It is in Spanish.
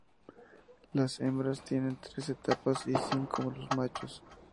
Las hembras tienen tres etapas y cinco los machos.